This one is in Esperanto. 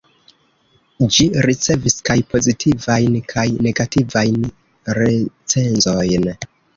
Ĝi ricevis kaj pozitivajn kaj negativajn recenzojn.